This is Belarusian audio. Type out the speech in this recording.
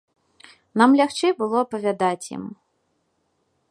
Нам лягчэй было апавядаць ім.